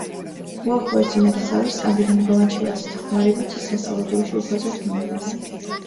უახლოესი ნათესავის, ამირან ბალანჩივაძის დახმარებით ის სასწავლებელში უფასოდ მიიღეს.